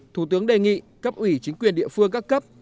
thủ tướng đề nghị cấp ủy chính quyền địa phương các cấp